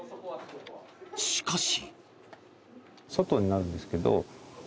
しかし。